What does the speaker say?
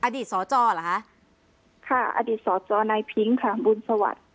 อดีตสจเหรอคะค่ะอดีตสจนายพิ้งค่ะบุญสวัสดิ์